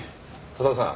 多田さん